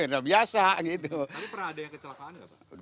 pernah ada yang kecelakaan